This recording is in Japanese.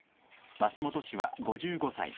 松本氏は５５歳。